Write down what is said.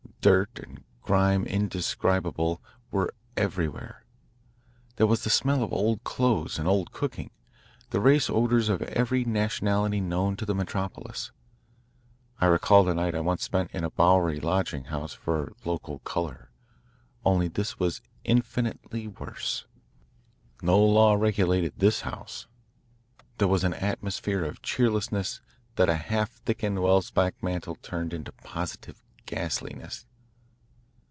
Dirt and grime indescribable were everywhere. There was the smell of old clothes and old cooking, the race odours of every nationality known to the metropolis. I recalled a night I once spent in a Bowery lodging house for "local colour." Only this was infinitely worse. No law regulated this house. There was an atmosphere of cheerlessness that a half thickened Welsbach mantle turned into positive ghastliness.